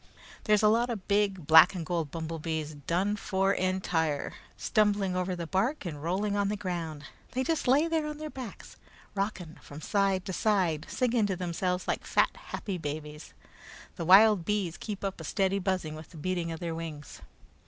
There's a lot of big black and gold bumblebees, done for entire, stumbling over the bark and rolling on the ground. They just lay there on their backs, rocking from side to side, singing to themselves like fat, happy babies. The wild bees keep up a steady buzzing with the beating of their wings.